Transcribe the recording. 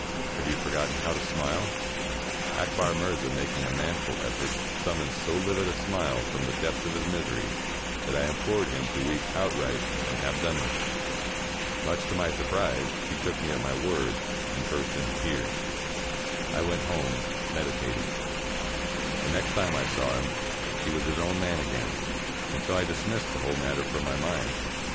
Have you forgotten how to smile?" Akbar Mirza, making a manful effort, summoned so livid a smile from the depths of his misery, that I im plored him to weep outright and have done w^th it. Much to my surprise, he took me at my word, and burst into tears. I went home, meditating. The next time I saw him, he was his own man again, and so I dismissed the whole matter from my mind.